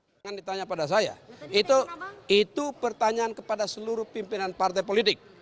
jangan ditanya pada saya itu pertanyaan kepada seluruh pimpinan partai politik